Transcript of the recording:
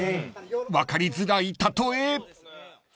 ［分かりづらい例え］